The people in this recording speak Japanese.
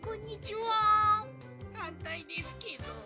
「はんたいですけど」。